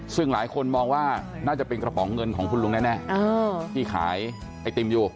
ซึ่งหลายคนมองว่าน่าจะเป็นกระป๋องเงินของคุณลุงแน่ที่ขายไอติมอยู่